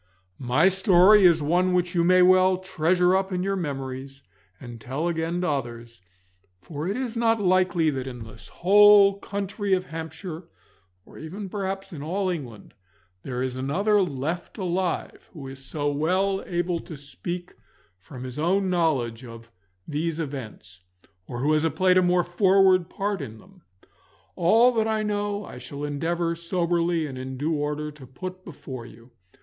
My story is one which you may well treasure up in your memories, and tell again to others, for it is not likely that in this whole county of Hampshire, or even perhaps in all England, there is another left alive who is so well able to speak from his own knowledge of these events, or who has played a more forward part in them. All that I know I shall endeavour soberly and in due order to put before you.